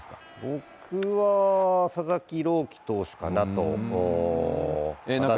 僕は佐々木朗希投手かなと。